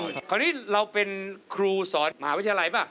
คราวนี้เราเป็นครูสอนมหาวิทยาลัยป่ะ